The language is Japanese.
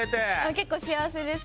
結構幸せです。